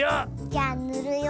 じゃあぬるよ。